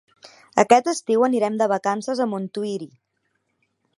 Aquest estiu anirem de vacances a Montuïri.